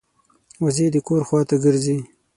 وزې د کور خوا ته ګرځي